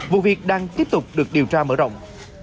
vụ việc đang tiếp tục được điều tra mở rộng